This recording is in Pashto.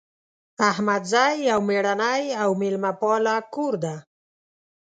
احمدزی یو میړنۍ او میلمه پاله کور ده